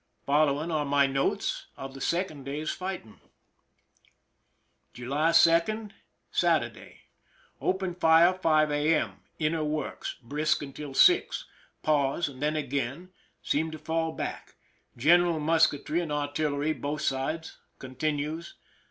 Following are my notes of the second day's fighting : July 2, Saturday. Opened fire 5 a.m. Inner works. Brisk till 6. Pause, and then again— seem to fall back. General musketry and artillery both sides; continues.